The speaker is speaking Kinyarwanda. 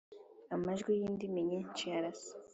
Amajwi y’indiminyinshi arasa